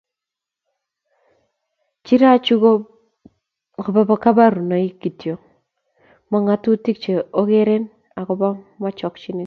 chirachu ko kaborunoik kityo, mo ng'otutik che ong'eren ako mobo chokchinet